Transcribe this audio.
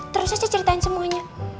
terus aja ceritain semuanya